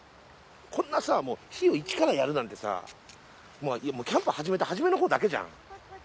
んなさあもう火を一からやるなんてさあうキャンプ始めてはじめのほうだけじゃん？